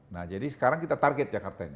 nah jadi sekarang kita target jakarta ini